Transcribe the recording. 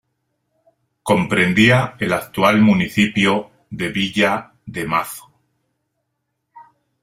Comprendía el actual municipio de Villa de Mazo.